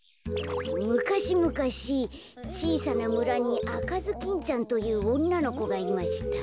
むかしむかしちいさなむらにあかずきんちゃんというおんなのこがいました。